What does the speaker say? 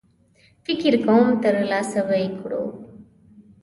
فکر کوم ترلاسه به یې کړو.